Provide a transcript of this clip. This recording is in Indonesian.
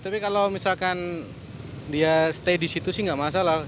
tapi kalau misalkan dia stay di situ sih nggak masalah